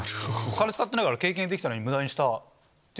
金使ってないから経験できたのに無駄にした。